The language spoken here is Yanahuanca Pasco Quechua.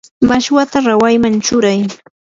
mashwata rawayman churay.